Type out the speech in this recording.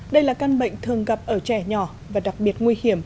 đây là căn bệnh thường gặp ở trẻ nhỏ và đặc biệt nguy hiểm